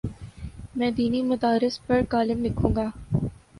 میں دینی مدارس پر کالم لکھوں گا۔